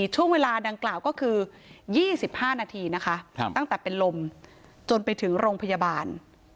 ช่วงเวลาดังกล่าวก็คือ๒๕นาทีนะคะตั้งแต่เป็นลมจนไปถึงโรงพยาบาล